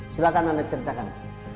silakan anda ceritakan